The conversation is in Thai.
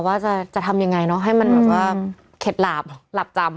ว่าจะทำยังไงห์เนาะให้มันเหมือนกับเข็ดหลาบหลับจำ